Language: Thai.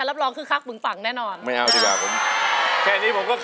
ร้องได้ให้ร้าน